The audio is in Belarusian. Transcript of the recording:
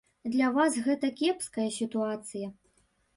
Для вас гэта кепская сітуацыя.